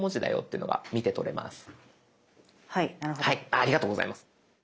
ありがとうございます。